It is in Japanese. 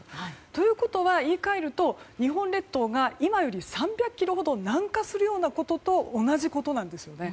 ということは、言い換えると日本列島が今より３００ｋｍほど南下するようなことと同じ事なんですよね。